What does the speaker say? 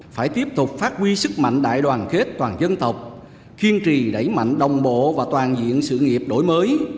phải tiếp tục phát huy sức mạnh đại đoàn kết toàn dân tộc kiên trì đẩy mạnh đồng bộ và toàn diện sự nghiệp đổi mới